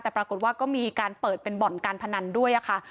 แต่ปรากฏว่าก็มีการเปิดเป็นบ่อนการพนันด้วยค่ะ